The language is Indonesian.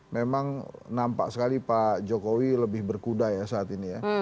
memang nampak sekali pak jokowi lebih berkuda ya saat ini ya